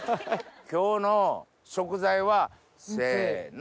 今日の食材はせの。